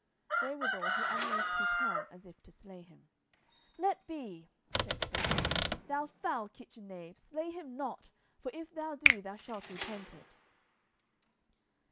Therewithal he unlaced his helm as if to slay him. "Let be," said the damsel, "thou foul kitchen knave, slay him not, for if thou do, thou shalt repent it."